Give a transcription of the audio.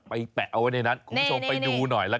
แปะเอาไว้ในนั้นคุณผู้ชมไปดูหน่อยละกัน